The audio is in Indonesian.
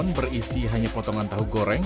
yang berisi hanya potongan tahu goreng